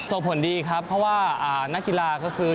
ส่งผลดีครับเพราะว่านักกีฬาก็คือ